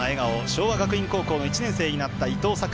昭和学院高校の１年生になった伊東開耶。